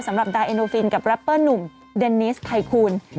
สำหรับดาเอ็นโดฟินกับแรปเปอร์หนุ่มเดนิสไทคูณ